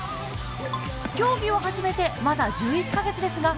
競技を始めてまだ１１カ月ですが